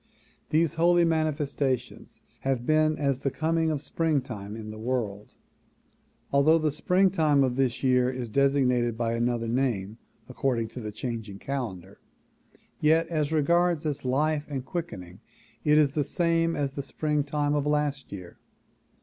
These holy manifestations have been as the coming of springtime in the world. Although the springtime of this year is designated by another name according to the changing calendar, yet as regards its life and quickening it is the same as the springtime of last year.